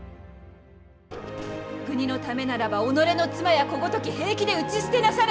国のためならば己の妻や子ごとき平気で討ち捨てなされ！